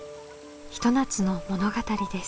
ひと夏の物語です。